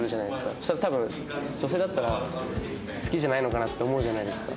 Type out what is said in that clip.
そしたら多分女性だったら好きじゃないのかなって思うじゃないですか。